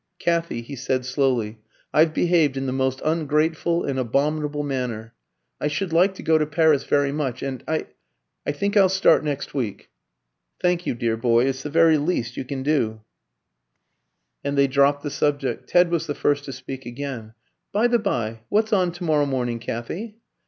"Kathy," he said, slowly, "I've behaved in the most ungrateful and abominable manner. I should like to go to Paris very much, and I I think I'll start next week." "Thank you, dear boy; it's the very least you can do." And they dropped the subject. Ted was the first to speak again. "By the bye, what's on to morrow morning, Kathy?"